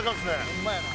ホンマやな。